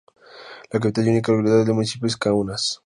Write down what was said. La capital y única localidad del municipio es Kaunas.